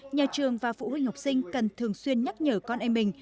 nhà trường và phụ huynh học sinh cần thường xuyên nhắc nhở con em mình